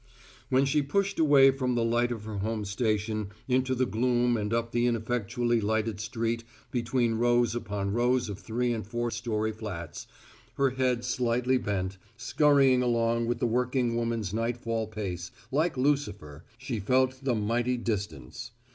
When she pushed away from the light of her home station into the gloom and up the ineffectually lighted street between rows upon rows of three and four story flats, her head slightly bent, scurrying along with the working woman's nightfall pace, like Lucifer, she felt the mighty distance.